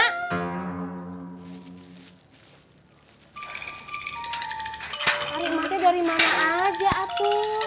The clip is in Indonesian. tarik matanya dari mana aja atu